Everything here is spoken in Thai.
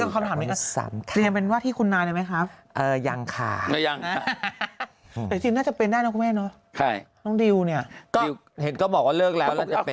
เขาก็เป็นเพื่อนกันนั่นแหละ